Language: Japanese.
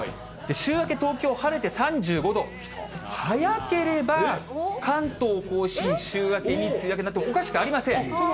週明け、東京晴れて３５度、早ければ、関東甲信、週明けに梅雨明けになってもおかしくありません。